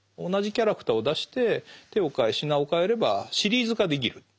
同じキャラクターを出して手をかえ品をかえればシリーズ化できる。